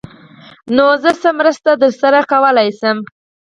_نو زه څه مرسته درسره کولای شم؟